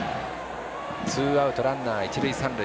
ツーアウト、ランナー、一塁三塁。